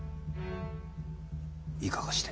いかがして？